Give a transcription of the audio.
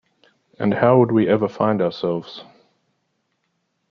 And how would we ever find ourselves.